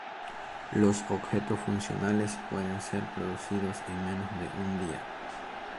Los objetos funcionales pueden ser producidos en menos de un día.